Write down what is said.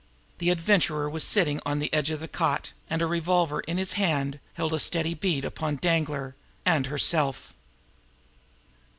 The Adventurer was sitting on the edge of the cot, and a revolver in his hand held a steady bead upon Danglar and herself..